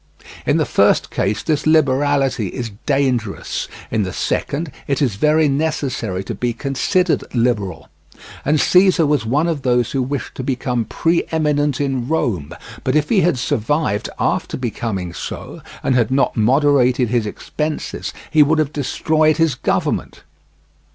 In the first case this liberality is dangerous, in the second it is very necessary to be considered liberal; and Caesar was one of those who wished to become pre eminent in Rome; but if he had survived after becoming so, and had not moderated his expenses, he would have destroyed his government.